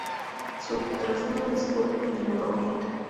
Su trazado discurre en el nororiente.